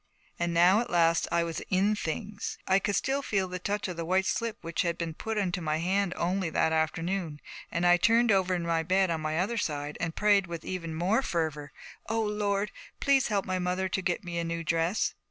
And now at last I was in things. I could still feel the touch of the white slip which had been put into my hand only that afternoon; and I turned over in my bed on my other side and prayed with even more fervor. 'O Lord, please help my mother to get me a new dress.'